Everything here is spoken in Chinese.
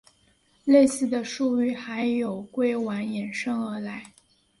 类似的术语还有硅烷衍生而来。